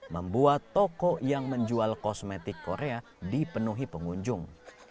membuat toko yang menjual kosmetik korea dipenuhi pengunjung